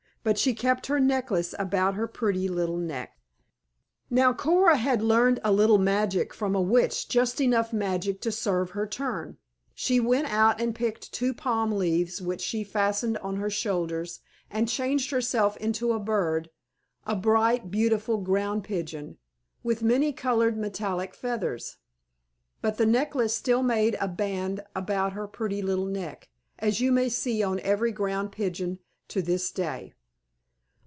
But she kept her necklace about her pretty little neck. Now Coora had learned a little magic from a witch, just enough magic to serve her turn. She went out and picked two palm leaves which she fastened on her shoulders and changed herself into a bird, a bright, beautiful Ground Pigeon, with many colored metallic feathers. But the necklace still made a band about her pretty little neck, as you may see on every Ground Pigeon to this day.